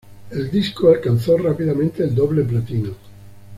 El disco alcanzó rápidamente el doble platino.